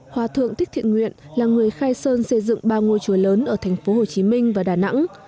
hòa thượng thích thiện nguyện là người khai sơn xây dựng ba ngôi chùa lớn ở thành phố hồ chí minh và đà nẵng